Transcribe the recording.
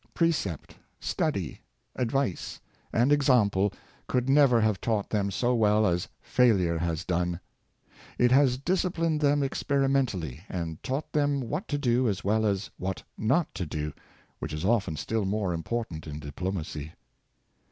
Precept, study, advice, and example could never have taught them so well as failure has done. It has dis ciplined them experimentally, and taught them what to do as well as what not to do — which is often still more important in diplomacy.